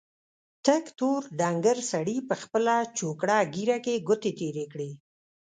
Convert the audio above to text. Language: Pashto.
تک تور ډنګر سړي په خپله څوکړه ږيره کې ګوتې تېرې کړې.